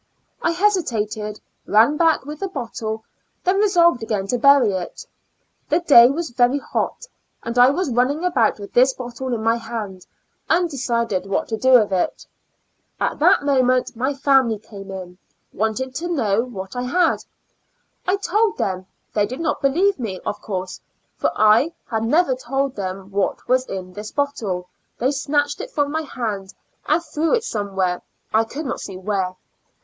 I hesitated, ran back with the bottle, then resolved again to bury it. The day was very hot, and I was running about with this bottle in my hand, undecided what to do with it. At that moment my family came in ; wanted to know what I had. I told them ; they did not believe me, of course, for I had never told them what was in this bottle IN A L UNA TIC ASYL UM. \ Q they snatched it from my hand, and threw it somewhere, I could not see where.